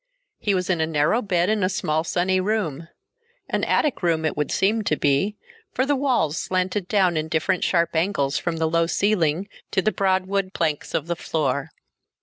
He was in a narrow bed in a small sunny room. An attic room, it would seem to be, for the walls slanted down in different sharp angles from the low ceiling to the broad wood planks of the floor.